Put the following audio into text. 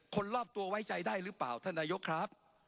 คนรอบตัวไว้ใจได้หรือเปล่าท่านนายกครับ